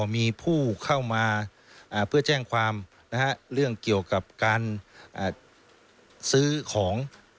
มีผู้เข้ามาเพื่อแจ้งความเรื่องเกี่ยวกับการซื้อของ